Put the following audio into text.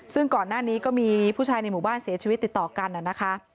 ซึ่งก่อนหน้านี้ก็มีผู้ชายในหมู่บ้านเสียชีวิตติดต่อกันนะคะ